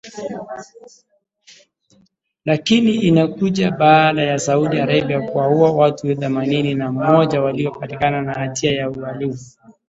lakini inakuja baada ya Saudi Arabia kuwaua watu themanini na mmoja waliopatikana na hatia ya uhalifu